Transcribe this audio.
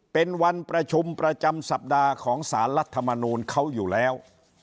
เป็นวันประชุมประจำสัปดาห์ของสารรัฐมนูลเขาอยู่แล้ว